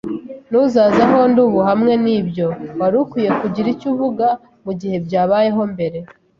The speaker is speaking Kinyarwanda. Ntuzaze aho ndi ubu hamwe nibyo. Wari ukwiye kugira icyo uvuga mugihe byabayeho mbere.